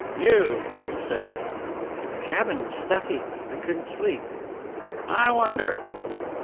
"You?" he said. "The cabin was stuffy. I couldn't sleep." "I wonder."